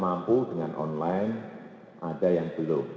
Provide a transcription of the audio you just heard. mampu dengan online ada yang belum